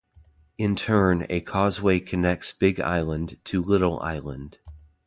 In turn a causeway connects Big Island to Little Island.